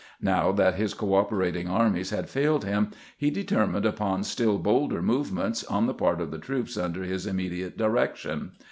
Now that his cooperating armies had failed him, he determined upon still bolder movements on the part of the troops under his immedi ate direction.